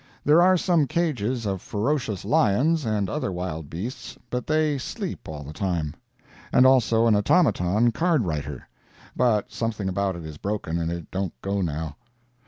There are some cages of ferocious lions, and other wild beasts, but they sleep all the time. And also an automaton card writer; but something about it is broken, and it don't go now.